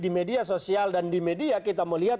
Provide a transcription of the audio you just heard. di media sosial dan di media kita melihat